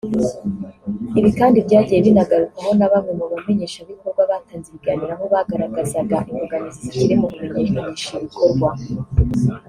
Ibi kandi byagiye binagarukwaho na bamwe mu bamenyekanishabikorwa batanze ibiganiro aho bagaragazaga imbogamizi zikiri mu kumenyekanisha ibikorwa